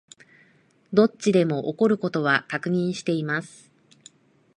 どっちでも起こる事は確認しています